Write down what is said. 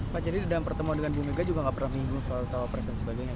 pak cendri dalam pertemuan dengan bumega juga enggak pernah minggu soal cawapres dan sebagainya